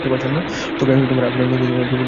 তোকে আগুনের নদীতে ডুবে মরার অভিশাপ দিচ্ছি!